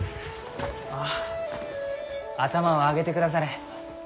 あ頭を上げてくだされ。